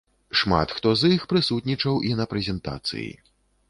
Шмат хто з іх прысутнічаў і на прэзентацыі.